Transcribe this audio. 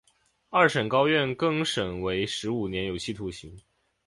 二审高院更审为十五年有期徒刑。